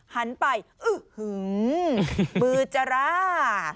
หันไปอื้อหือมือจะร่า